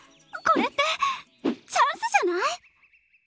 これってチャンスじゃない？